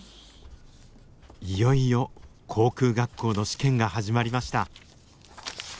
いよいよ航空学校の試験が始まりました。